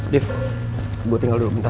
div gue tinggal dulu bentar